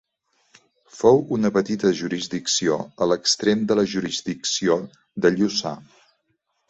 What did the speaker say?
Fou una petita jurisdicció a l'extrem de la jurisdicció de Lluçà.